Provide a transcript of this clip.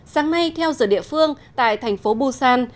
sáng nay theo giờ địa phương tại thành phố busan